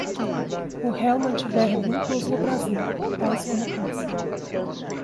o réu mantiver vínculos no Brasil, tais como posse